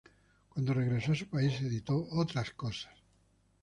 Cuando regresó a su país editó "Otras cosas".